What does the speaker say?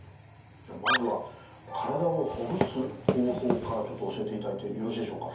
じゃあまずは体をほぐす方法からちょっと教えていただいてよろしいでしょうか？